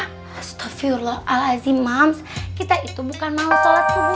astagfirullahaladzim ma kita itu bukan males sholat subuh